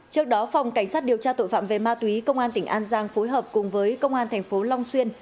trước đó phòng cảnh sát điều tra tội phạm về ma túy công an tỉnh an giang phối hợp cùng với công an thành phố long xuyên